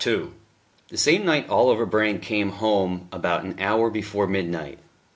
II The same night Oliver Brand came home about an hour before midnight.